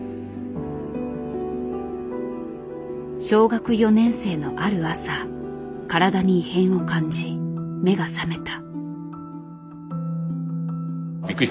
小学４年生のある朝体に異変を感じ目が覚めた。